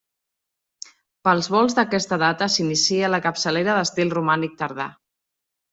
Pels volts d'aquesta data s'inicia la capçalera d'estil romànic tardà.